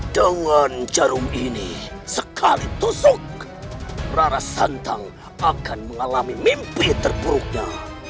dengan jarum ini sekali tusuk rara santang akan mengalami mimpi terburuknya